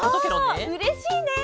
そううれしいね！